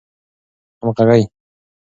همږغۍ